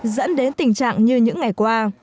dẫn đến tình trạng như những ngày qua